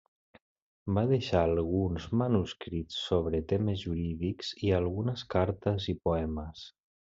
Va deixar alguns manuscrits sobre temes jurídics, i algunes cartes i poemes.